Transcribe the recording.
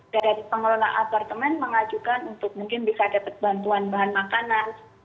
dari pengelola apartemen mengajukan untuk mungkin bisa dapat bantuan bahan makanan